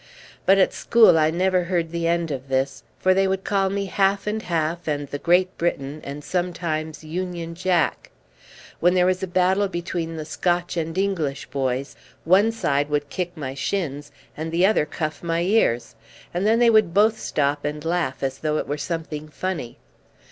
But at school I never heard the end of this, for they would call me "Half and half" and "The Great Britain," and sometimes "Union Jack." When there was a battle between the Scotch and English boys, one side would kick my shins and the other cuff my ears, and then they would both stop and laugh as though it were something funny.